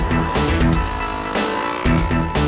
sekarang kita kembali ke bekel